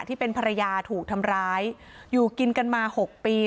ที่เป็นภรรยาถูกทำร้ายอยู่กินกันมาหกปี